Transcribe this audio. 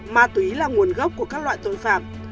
ma túy là nguồn gốc của các loại tội phạm